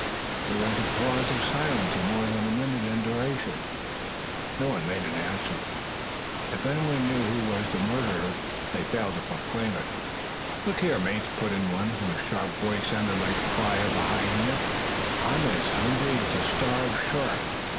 There was a pause of silence of more than a minute in duration. No one made answer. If anyone knew who was the murderer, they failed to proclaim it. "Look here, mates!" put in one, whose sharp voice sounded like the cry of a hyena, "I'm hungry as a starved shark.